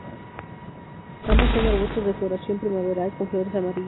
Ambos son arbustos de floración primaveral, con flores amarillas.